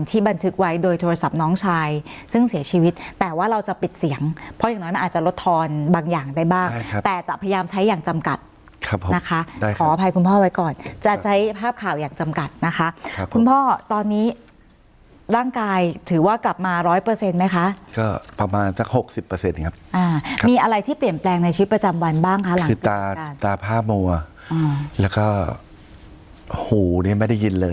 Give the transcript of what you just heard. ที่บันทึกไว้โดยโทรศัพท์น้องชายซึ่งเสียชีวิตแต่ว่าเราจะปิดเสียงเพราะอย่างน้อยมันอาจจะลดทอนบางอย่างได้บ้างใช่ครับแต่จะพยายามใช้อย่างจำกัดครับผมนะคะได้ครับขออภัยคุณพ่อไว้ก่อนจะใช้ภาพข่าวอย่างจำกัดนะคะครับคุณพ่อตอนนี้ร่างกายถือว่ากลับมาร้อยเปอร์เซ็นต์ไหมคะก็ประมาณสักหกสิบเปอร์เ